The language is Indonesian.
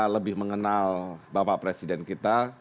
lebih mengenal bapak presiden kita